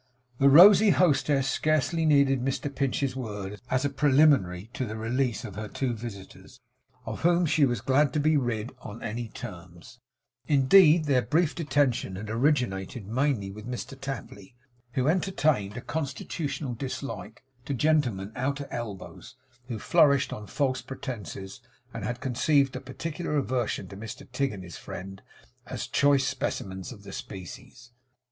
The rosy hostess scarcely needed Mr Pinch's word as a preliminary to the release of her two visitors, of whom she was glad to be rid on any terms; indeed, their brief detention had originated mainly with Mr Tapley, who entertained a constitutional dislike to gentleman out at elbows who flourished on false pretences; and had conceived a particular aversion to Mr Tigg and his friend, as choice specimens of the species.